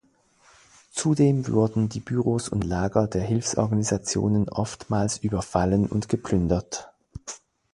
Zudem wurden die Büros und Lager der Hilfsorganisationen oftmals überfallen und geplündert.